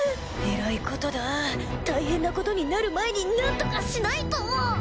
えらいことだ大変なことになる前になんとかしないと